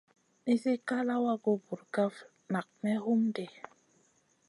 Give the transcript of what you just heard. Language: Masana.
Nisi ká lawagu burkaf nak may hum ɗi.